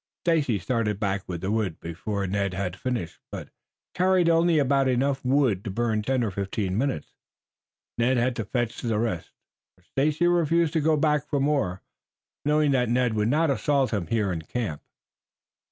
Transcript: Stacy started back with the wood before Ned had finished, but carried only about enough wood to burn ten or fifteen minutes. Ned had to fetch the rest, for Stacy refused to go back for more, knowing that Ned would not assault him here in the camp.